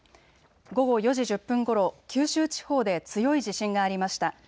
午後４時１０分ごろ、九州地方で強い地震がありました。